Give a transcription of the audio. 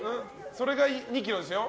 それが２ｋｇですよ。